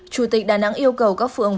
chủ tịch đà nẵng yêu cầu các phương